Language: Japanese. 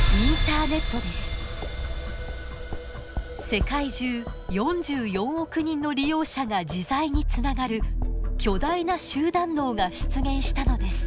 世界中４４億人の利用者が自在につながる巨大な集団脳が出現したのです。